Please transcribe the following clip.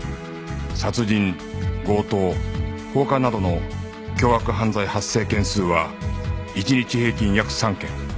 殺人強盗放火などの凶悪犯罪発生件数は１日平均約３件